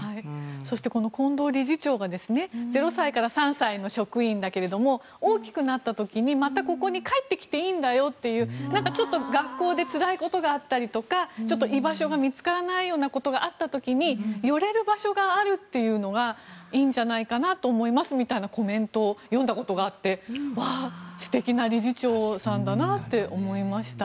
そしてこの権頭理事長が０歳から３歳の職員だけど大きくなった時に、またここに帰ってきていいんだよという学校でつらいことがあったりとか居場所が見つからないことがあった時に寄れる場所があるというのがいいんじゃないかなと思いますみたいなコメントを読んだことがあって素敵な理事長さんだなって思いました。